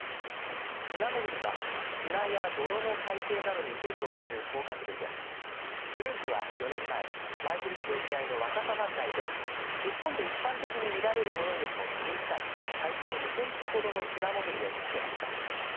スナモグリは砂や泥の海底などに生息する甲殻類でグループは、４年前舞鶴市沖合の若狭湾内で日本で一般的に見られるものよりも小さい体長２センチほどのスナモグリを見つけました。